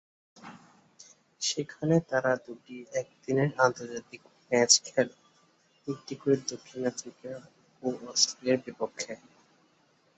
সেখানে তারা দুটি একদিনের আন্তর্জাতিক ম্যাচ খেলে, একটি করে দক্ষিণ আফ্রিকা ও অস্ট্রেলিয়ার বিপক্ষে।